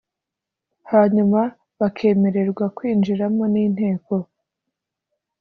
hanyuma bakemererwa kwinjiramo n Inteko